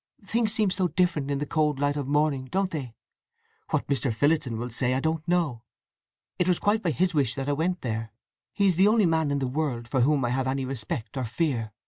Things seem so different in the cold light of morning, don't they? What Mr. Phillotson will say I don't know! It was quite by his wish that I went there. He is the only man in the world for whom I have any respect or fear.